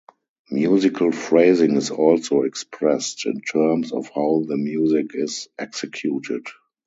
Musical phrasing is also expressed in terms of how the music is executed.